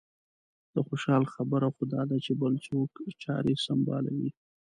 د خوشالۍ خبره خو دا ده چې بل څوک چارې سنبالوي.